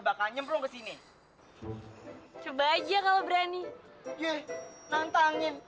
bakal nyemplung ke sini coba aja kalau berani nantangnya